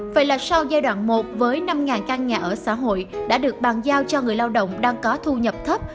vậy là sau giai đoạn một với năm căn nhà ở xã hội đã được bàn giao cho người lao động đang có thu nhập thấp